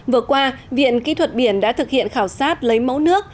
vừa qua viện kỹ thuật biển đã thực hiện khảo sát lấy mẫu nước